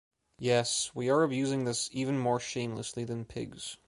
Yes, we are abusing this even more shamelessly than pigs.